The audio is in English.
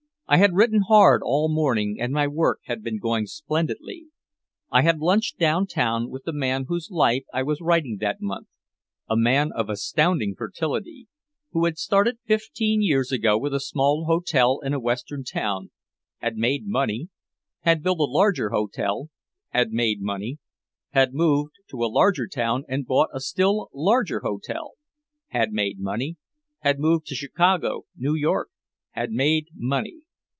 I had written hard all morning and my work had been going splendidly. I had lunched downtown with the man whose life I was writing that month, a man of astounding fertility, who had started fifteen years ago with a small hotel in a western town, had made money, had built a larger hotel, had made money, had moved to a larger town and bought a still larger hotel, had made money, had moved to Chicago, New York, had made money.